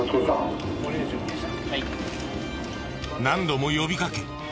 何度も呼びかけ